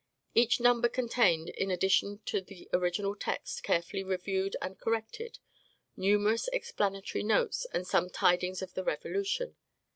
Each number contained, in addition to the original text carefully reviewed and corrected, numerous explanatory notes and some "Tidings of the Revolution."